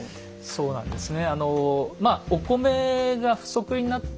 そうなんですね。